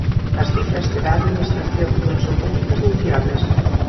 As cifras que dá a Administración non son públicas nin fiables.